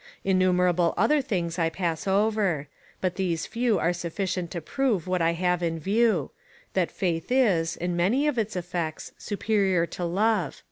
Innumerable other things I pass over ; but these few are sufficient to prove what I have in view — that faith is, in many of its effects, superior to love.